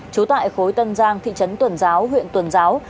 trú tại khối tân giang thị trấn tuần giáo huyện tuần giáo